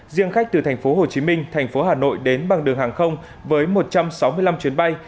riêng khách từ thành phố hồ chí minh thành phố hà nội đến bằng đường hàng không với một trăm sáu mươi năm chuyến bay